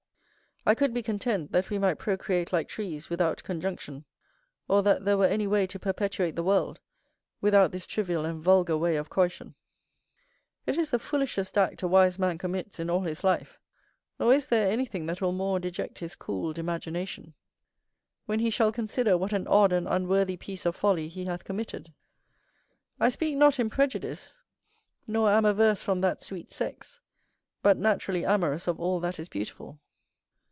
I could be content that we might procreate like trees, without conjunction, or that there were any way to perpetuate the world without this trivial and vulgar way of coition: it is the foolishest act a wise man commits in all his life, nor is there anything that will more deject his cooled imagination, when he shall consider what an odd and unworthy piece of folly he hath committed. I speak not in prejudice, nor am averse from that sweet sex, but naturally amorous of all that is beautiful.